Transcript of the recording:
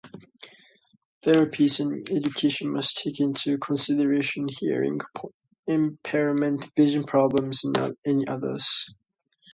Therapies and education must take into consideration hearing impairment, vision problems, and any others.